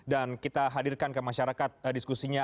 dan kita hadirkan ke masyarakat diskusinya